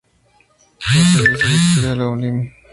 Su alcaldesa es Victoria A. Lao Lim.